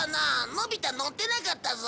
のび太乗ってなかったぞ。